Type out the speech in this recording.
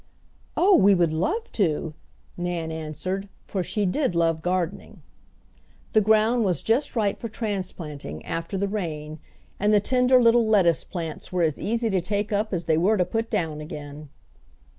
"Oh! we would love to," Nan answered, for she did love gardening. The ground was just right for transplanting, after the rain, and the tender little lettuce plants were as easy to take up as they were to put down again.